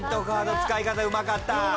カード使い方うまかった。